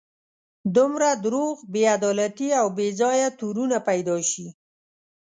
دومره دروغ، بې عدالتي او بې ځایه تورونه پیدا شي.